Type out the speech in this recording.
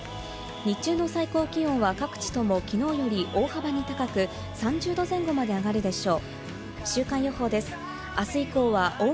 日中の最高気温は各地とも昨日より大幅に高く、３０度前後まで上がるでしょう。